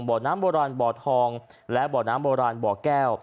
บ่อน้ำโบราณบ่อทองและบ่อน้ำโบราณบ่อแก้ว